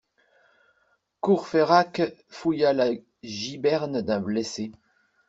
Courfeyrac fouilla la giberne d'un blessé.